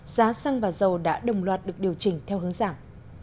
giá xăng và dầu đã đồng loạt được điều chỉnh theo hướng giảm